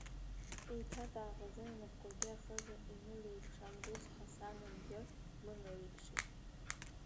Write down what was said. Еиҭа дааӷызын инапқәагьы ахыза инылеикшаМгәыӡ Ҳасан Анзор Мынылеикшеит.